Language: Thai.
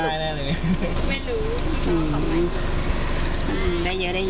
นั่งสะบายไม่ได้เลย